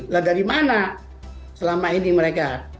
lah dari mana selama ini mereka